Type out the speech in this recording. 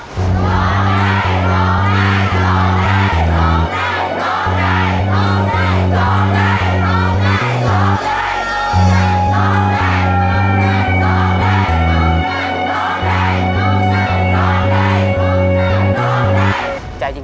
ร้องได้ร้องได้ร้องได้ร้องได้ร้องได้